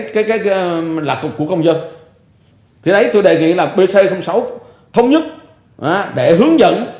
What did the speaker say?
cái cái là cục của công dân thì đấy tôi đề nghị là bc sáu thông nhất để hướng dẫn